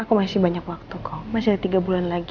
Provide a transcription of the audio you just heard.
aku masih banyak waktu kok masih ada tiga bulan lagi